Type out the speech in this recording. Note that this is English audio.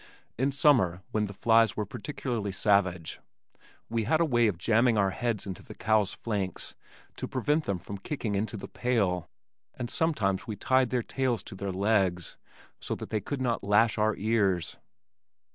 In summer when the flies were particularly savage we had a way of jamming our heads into the cows' flanks to prevent them from kicking into the pail, and sometimes we tied their tails to their legs so that they could not lash our ears.